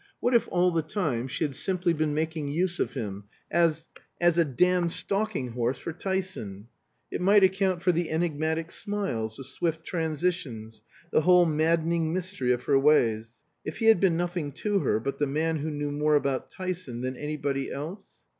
What if all the time she had simply been making use of him as as a damned stalking horse for Tyson? It might account for the enigmatic smiles, the swift transitions, the whole maddening mystery of her ways. If he had been nothing to her but the man who knew more about Tyson than anybody else?